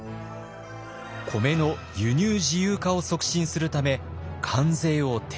米の輸入自由化を促進するため関税を撤廃。